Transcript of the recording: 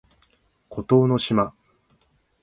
孤島の島